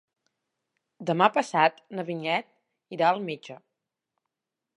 Demà passat na Vinyet irà al metge.